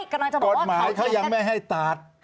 กฎหมายเขายังไม่ให้ตัด